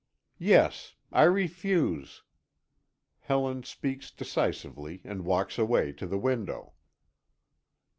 "Yes. I refuse." Helen speaks decisively and walks away to the window.